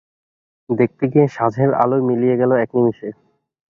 দেখতে গিয়ে, সাঁঝের আলো মিলিয়ে গেল এক নিমিষে।